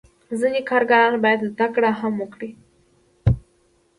ځینې کارګران باید زده کړه هم وکړي.